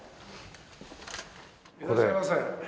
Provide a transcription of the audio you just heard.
いらっしゃいませ。